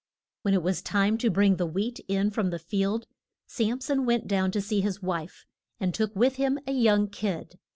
When it was time to bring the wheat in from the field, Sam son went down to see his wife, and took with him a young kid.